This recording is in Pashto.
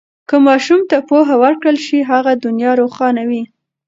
که ماشوم ته پوهه ورکړل شي، هغه دنیا روښانوي.